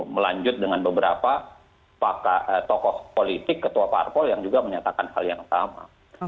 melanjut dengan beberapa tokoh politik ketua parpol yang juga menyatakan hal yang sama